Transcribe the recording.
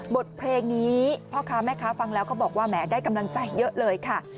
บทเพลงนี้พ่อค้าแม่ค้าฟังแล้วก็บอกว่าแหมได้กำลังใจเยอะเลยค่ะ